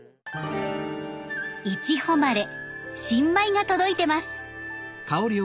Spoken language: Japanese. いちほまれ新米が届いてます！